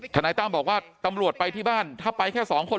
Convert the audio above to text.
นายตั้มบอกว่าตำรวจไปที่บ้านถ้าไปแค่สองคน